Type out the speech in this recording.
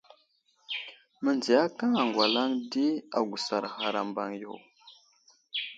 Məndziyakaŋ aŋgwalaŋ di agusar ghar a mbaŋ yo.